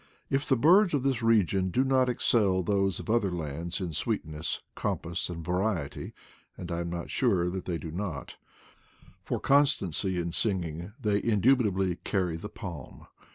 If the birds of this region do not excel those of other lands in sweetness, compass, and variety (and I am not sure that they do not) for constancy in singing they indubitably carry the palm.